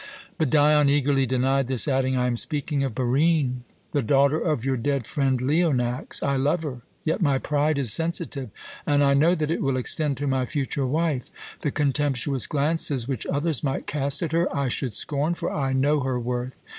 But Dion eagerly denied this, adding: "I am speaking of Barine, the daughter of your dead friend Leonax. I love her, yet my pride is sensitive, and I know that it will extend to my future wife. The contemptuous glances which others might cast at her I should scorn, for I know her worth.